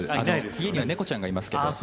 家には猫ちゃんがいますけども。